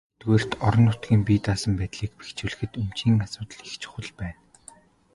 Юуны өмнө, нэгдүгээрт, орон нутгийн бие даасан байдлыг бэхжүүлэхэд өмчийн асуудал их чухал байна.